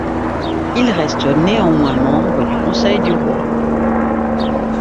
Il reste néanmoins membre du Conseil du Roi.